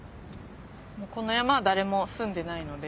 この山は誰も住んでないので。